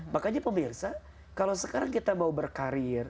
makanya pemirsa kalau sekarang kita mau berkarir